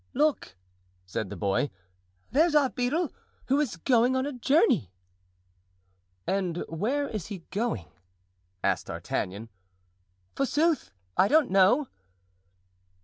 "Look!" said the boy, "there's our beadle, who is going a journey." "And where is he going?" asked D'Artagnan. "Forsooth, I don't know."